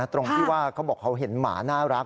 ตรงที่ว่าเขาบอกเขาเห็นหมาน่ารัก